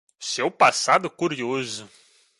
Seu passado curioso